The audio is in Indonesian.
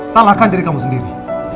salahkan diri kamu sendiri